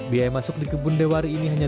biaya masuk di kebun dewari ini hanya